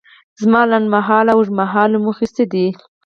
زما لنډ مهاله او اوږد مهاله موخې څه دي؟